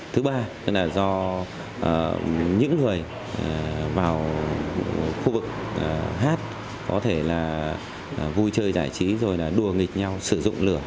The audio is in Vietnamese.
thứ ba là do những người vào khu vực hát có thể là vui chơi giải trí rồi là đùa nghịch nhau sử dụng lửa